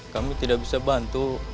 kami tidak bisa bantu